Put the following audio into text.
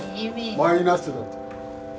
マイナスだって。